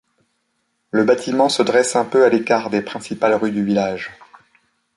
Le bâtiment se dresse un peu à l'écart des principales rues du village.